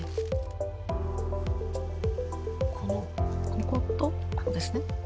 こことここですね。